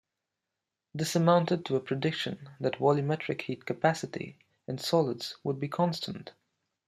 This amounted to a prediction that volumetric heat capacity in solids would be constant.